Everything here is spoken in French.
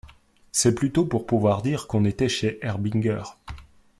C’est plutôt pour pouvoir dire qu’on était chez Herbinger.